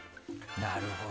なるほど。